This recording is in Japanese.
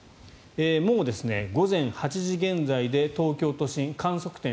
もう午前８時現在で東京都心の観測点